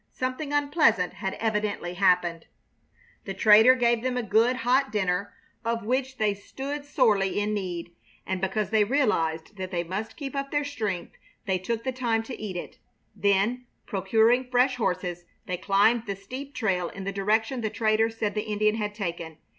Something unpleasant had evidently happened. The trader gave them a good, hot dinner, of which they stood sorely in need, and because they realized that they must keep up their strength they took the time to eat it. Then, procuring fresh horses, they climbed the steep trail in the direction the trader said the Indian had taken.